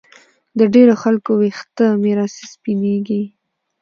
د ډېرو خلکو ویښته میراثي سپینېږي